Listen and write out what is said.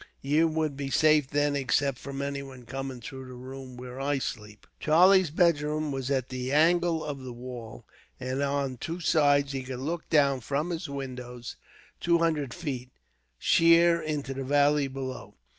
Ye would be safe then, except from anyone coming through the room where I sleeps." Charlie's bedroom was at the angle of a wall, and on two sides he could look down from his windows, two hundred feet, sheer into the valley below.